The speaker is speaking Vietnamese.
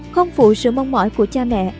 không phụ sự mong mỏi của cha mẹ